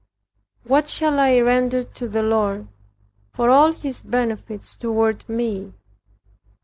"What shall I render to the Lord, for all his benefits toward me?